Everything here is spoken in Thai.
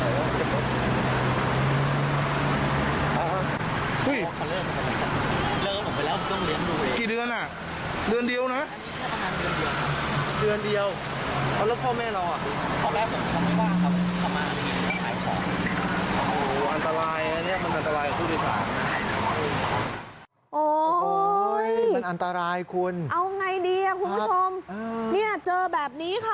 เดือนเดียวนะเดือนเดียวแล้วพ่อแม่เราอันตรายอันตรายคุณเอาไงดีอ่ะคุณผู้ชมเนี่ยเจอแบบนี้ค่ะ